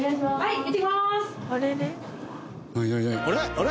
あれ？